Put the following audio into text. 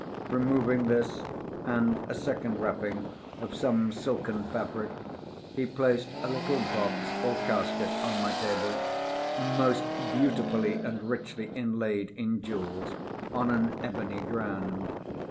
Removing this and a second wrapping of some silken fabric, he placed a little box, or casket, on my table, most beautifully and richly inlaid in jewels, on an ebony ground.